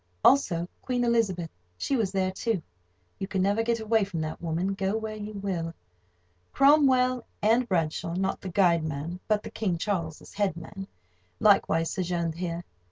Also Queen Elizabeth, she was there, too. You can never get away from that woman, go where you will. Cromwell and Bradshaw (not the guide man, but the King Charles's head man) likewise sojourned here.